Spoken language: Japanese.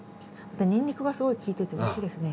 ニンニクがすごい効いてて美味しいですね。